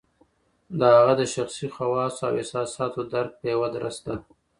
د هغه د شخصي خواصو او احساساتو درک په یوه درسته